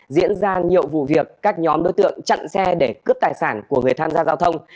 diễn ra nhiều vụ việc các nhóm đối tượng chặn xe để cướp tài sản của người tham gia giao thông